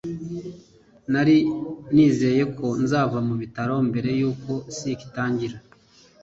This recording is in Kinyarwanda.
nari nizeye ko nzava mu bitaro mbere yuko ski itangira